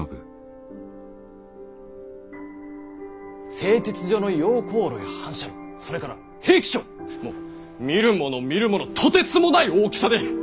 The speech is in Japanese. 製鉄所の溶鉱炉や反射炉それから兵器廠もう見るもの見るものとてつもない大きさで。